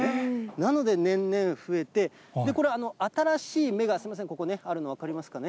なので、年々増えて、これ、新しい芽がすみません、ここね、あるの分かりますかね。